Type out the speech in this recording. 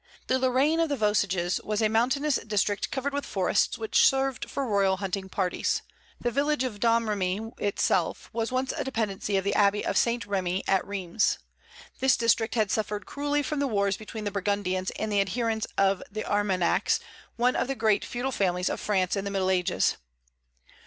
The Lorraine of the Vosges was a mountainous district covered with forests, which served for royal hunting parties. The village of Domremy itself was once a dependency of the abbey of St. Remy at Rheims. This district had suffered cruelly from the wars between the Burgundians and the adherents of the Armagnacs, one of the great feudal families of France in the Middle Ages.